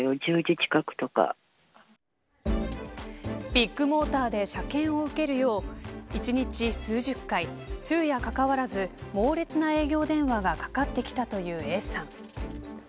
ビッグモーターで車検を受けるよう１日数十回、昼夜かかわらず猛烈な営業電話がかかってきたというＡさん。